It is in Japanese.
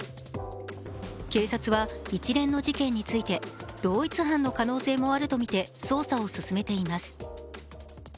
警察は一連の事件について、同一犯の可能性もあるとみて捜査を進めています。